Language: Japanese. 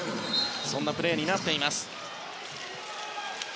そんなプレーになっています。